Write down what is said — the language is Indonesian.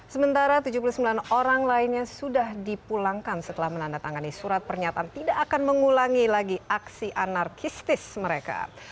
sementara tujuh puluh sembilan orang lainnya sudah dipulangkan setelah menandatangani surat pernyataan tidak akan mengulangi lagi aksi anarkistis mereka